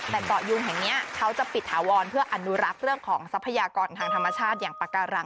แต่เกาะยุงแห่งนี้เขาจะปิดถาวรเพื่ออนุรักษ์เรื่องของทรัพยากรทางธรรมชาติอย่างปากการัง